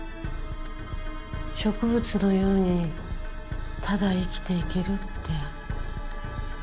植物のようにただ生きていけるって。